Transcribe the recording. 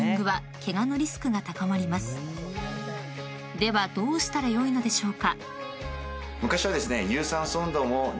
［ではどうしたら良いのでしょうか？］